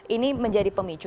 ini menjadi pemicu